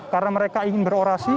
karena mereka ingin berorasi